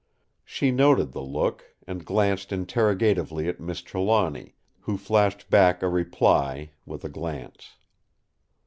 She noted the look, and glanced interrogatively at Miss Trelawny, who flashed back a reply with a glance.